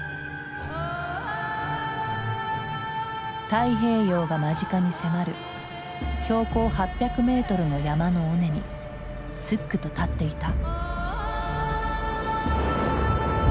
太平洋が間近に迫る標高８００メートルの山の尾根にすっくと立っていた。